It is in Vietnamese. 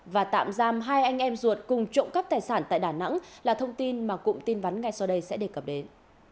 và tạm giam hai anh em ruột cùng trộm cắp tài sản tại đà nẵng là thông tin mà cụm tin vắn ngay sau đây sẽ đề cập đến